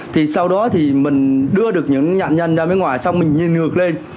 thì sau đó thì mình đưa được những cái nạn nhân ra mấy ngoài xong mình nhìn ngược lên